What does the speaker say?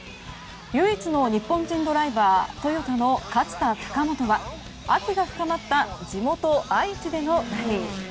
唯一の日本人ドライバートヨタの勝田貴元は愛が深まった地元・愛知でのラリー。